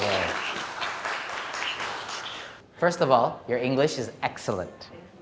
pertama sekali bahasa inggris anda sangat bagus